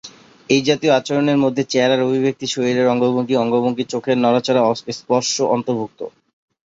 এই জাতীয় আচরণের মধ্যে চেহারার অভিব্যক্তি, শরীরের অঙ্গভঙ্গি, অঙ্গভঙ্গি, চোখের নড়াচড়া, স্পর্শ অন্তর্ভুক্ত।